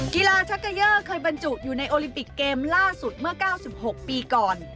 กีฬาชักเกยอร์เคยบรรจุอยู่ในโอลิมปิกเกมล่าสุดเมื่อ๙๖ปีก่อน